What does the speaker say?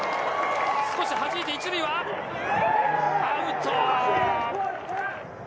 少し弾いて１塁はアウト。